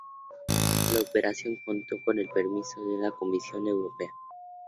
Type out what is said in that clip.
La operación contó con el permiso de la Comisión Europea.